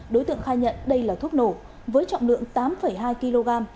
đối tượng khai nhận đây là thuốc nổ với trọng lượng tám hai kg